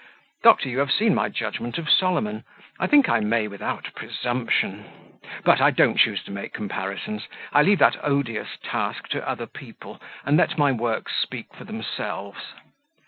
Doctor, you have seen my judgment of Solomon; I think I may, without presumption but, I don't choose to make comparisons; I leave that odious task to other people, and let my works speak for themselves.